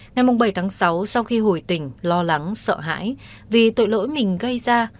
ngày mùng bảy tháng sáu sau khi hồi tỉnh lo lắng sợ hãi vì tội lỗi mình gây ra